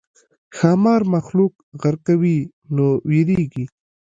ښامار مخلوق غرقوي نو وېرېږي.